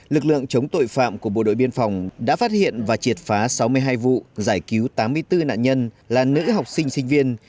lực lượng chống tội phạm của bộ đội biên phòng đã phát hiện và triệt phá sáu mươi hai vụ giải cứu tám mươi bốn nạn nhân là nữ học sinh sinh viên